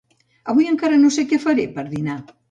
Avui encara no sé què faré per dinar